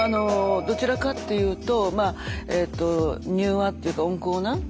どちらかっていうとまあ柔和っていうか温厚な。